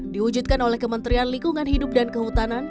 diwujudkan oleh kementerian lingkungan hidup dan kehutanan